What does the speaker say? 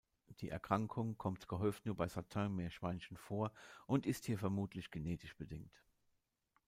Die Erkrankung kommt gehäuft nur bei Satin-Meerschweinchen vor und ist hier vermutlich genetisch bedingt.